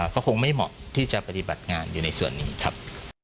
ก็คงไม่เหมาะที่จะปฏิบัติงานอยู่ในส่วนนี้ครับ